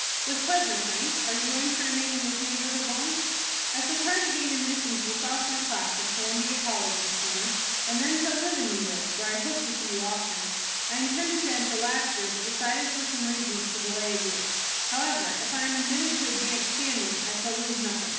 "With pleasure, Frank. Are you going to remain in this neighborhood long?" "I shall try to gain admission to the sophomore class of Columbia College this summer, and shall then live in New York, where I hope to see you often. I intended to enter last year, but decided for some reasons to delay a year. However, if I am admitted to advanced standing, I shall lose nothing.